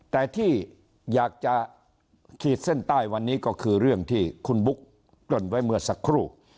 แต่ที่อยากจะขีดเส้นใต้วันนี้ก็คือเรื่องที่คุณบุ๊กเกริ่นไว้เมื่อสักครู่